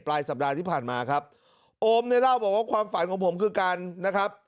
ปลายสัปดาห์ที่ผ่านมาครับโอมเนี่ยเล่าบอกว่าความฝันของผมคือการนะครับ